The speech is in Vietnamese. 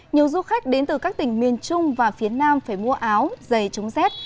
nhiều du khách đến từ các tỉnh miền trung và phía nam phải mua áo giày trúng xét